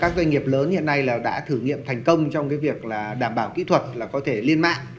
các doanh nghiệp lớn hiện nay đã thử nghiệm thành công trong cái việc là đảm bảo kỹ thuật là có thể liên mạng